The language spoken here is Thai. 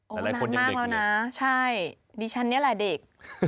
มันนานมากแล้วนะใช่ดิฉันนี่แหละเด็ก